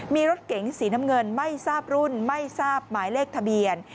มีรถเก๋งสีน้ำเงินไม่ทราบรุ่นไม่ทราบหมายเลขทะเบียน